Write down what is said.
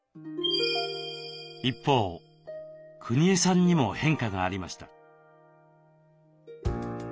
一方くにえさんにも変化がありました。